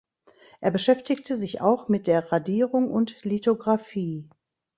Er beschäftigte sich auch mit der Radierung und Lithografie.